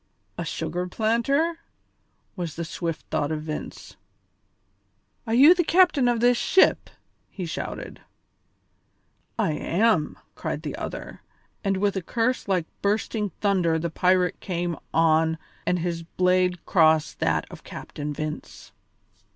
"A sugar planter?" was the swift thought of Vince. "Are you the captain of this ship?" he shouted. "I am!" cried the other, and with a curse like bursting thunder the pirate came on and his blade crossed that of Captain Vince.